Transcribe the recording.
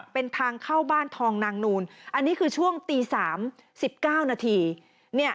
เป็นทางเข้าบ้านทองนางนูนอันนี้คือช่วงตี๓๑๙นาที